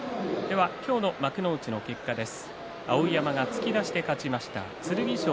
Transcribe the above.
今日の幕内の結果です。